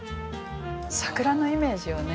桜のイメージをね